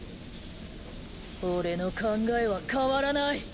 俺の考えは変わらない！